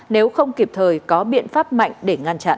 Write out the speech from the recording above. nếu không kịp thời có biện pháp mạnh để ngăn chặn